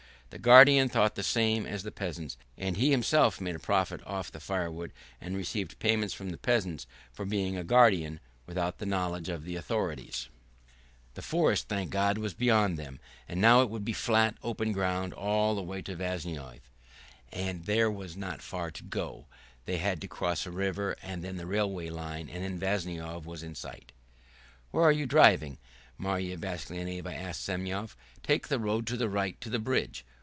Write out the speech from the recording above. The guardian thought the same as the peasants, and he himself made a profit off the firewood and received payments from the peasants for being a guardian without the knowledge of the authorities. The forest, thank God! was behind them, and now it would be flat, open ground all the way to Vyazovye, and there was not far to go now. They had to cross the river and then the railway line, and then Vyazovye was in sight. "Where are you driving?" Marya Vassilyevna asked Semyon. "Take the road to the right to the bridge."